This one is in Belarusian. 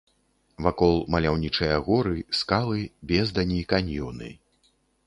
Вакол маляўнічыя горы, скалы, бездані, каньёны.